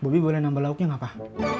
boleh nambah lauknya nggak pak